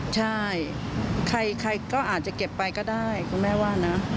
ใช่ใครก็อาจจะเก็บไปก็ได้คุณแม่ว่านะ